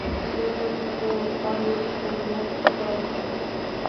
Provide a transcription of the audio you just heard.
এটা মোটেও অলীক কোনও গল্প নয়!